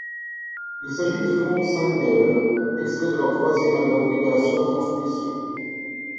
Il s'agit du second singel extrait de leur troisième album Liberation Transmission.